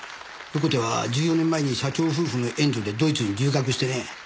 横手は１４年前に社長夫婦の援助でドイツに留学してね。